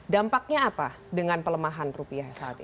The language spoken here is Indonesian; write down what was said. dampaknya apa dengan pelemahan rupiah saat ini